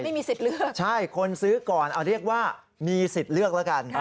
ไม่มีสิทธิ์เลือกใช่คนซื้อก่อนเอาเรียกว่ามีสิทธิ์เลือกแล้วกัน